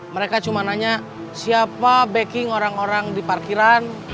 mereka cuma nanya siapa backing orang orang di parkiran